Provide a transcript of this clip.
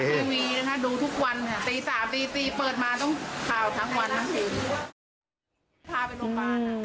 ใช่คุณพ่อนี่ชอบมาก